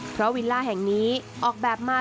เพราะวิลล่าแห่งนี้ออกแบบมา